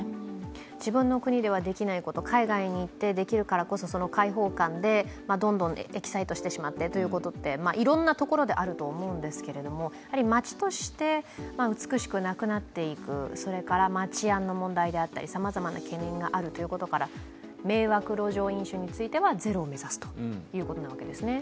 自分の国ではできないこと、海外に行ってできるからこそその開放感でどんどんエキサイトしてしまってということっていろんなところであると思うんですけれども街として、美しくなくなっていくそれから治安の問題であったりさまざまな懸念があることから迷惑路上飲酒についてはゼロを目指すということなわけですね。